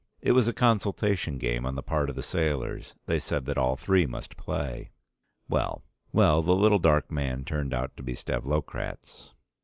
It was a consultation game on the part of the sailors, they said that all three must play. Well, the little dark man turned out to be Stavlokratz.